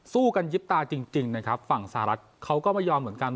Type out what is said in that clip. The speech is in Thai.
สู้กันยิบตาจริงนะครับฝั่งสหรัฐเขาก็ไม่ยอมเหมือนกัน